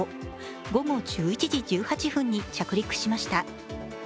午後１１時１８分に着陸しました。